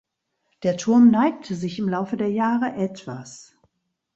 Der Turm neigte sich im Laufe der Jahre etwas.